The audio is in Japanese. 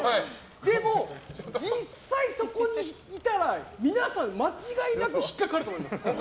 でも、実際にそこにいたら皆さん間違いなく引っかかると思います。